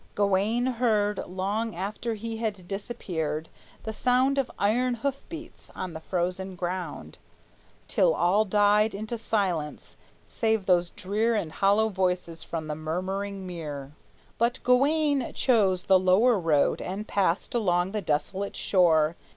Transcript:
Gawayne heard, Long after he had disappeared, the sound Of iron hoof beats on the frozen ground, Till all died into silence, save those drear And hollow voices from the Murmuring Mere. But Gawayne chose the lower road, and passed Along the desolate shore.